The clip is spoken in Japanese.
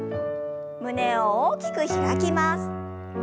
胸を大きく開きます。